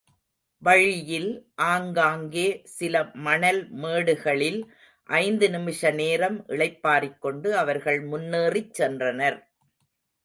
வழியில் ஆங்காங்கே சில மணல் மேடுகளில் ஐந்து நிமிஷ நேரம் இளைப்பாறிக் கொண்டு அவர்கள் முன்னேறிச்சென்றனர்.